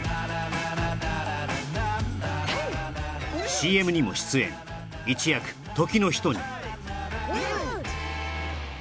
ＣＭにも出演一躍時の人にＨｅｙ！